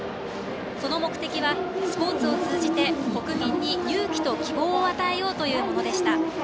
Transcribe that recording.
その目的は、スポーツを通じて国民に、勇気と希望を与えようというものでした。